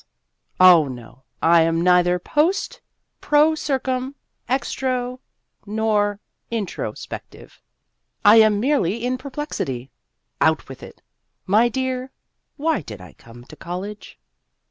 Oh, no, I am neither post , pro , circum , extro , nor intro spective ; I am merely in perplexity. Out with it ! My dear, why did I come to college